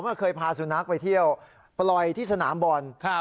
เคยพาสุนัขไปเที่ยวปล่อยที่สนามบอล